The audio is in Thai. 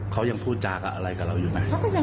เรื่องจากหลับเร็วก็พอ